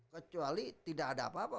kecuali tidak ada apa apa